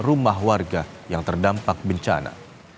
dan rumah warga yang terdampak bencana